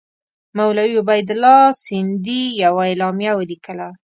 مولوي عبیدالله سندي یوه اعلامیه ولیکله.